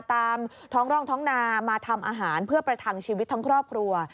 ตามท้องร่องท้องนามาทำอาหารเพื่อประทังชีวิตทั้งครอบครัว